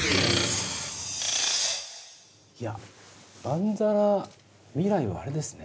いやまんざら未来はあれですね。